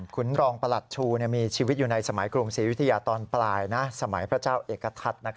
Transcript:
คุณรองประหลัดชูมีชีวิตอยู่ในสมัยกรุงศรีวิทยาตอนปลายสมัยพระเจ้าเอกทัศน์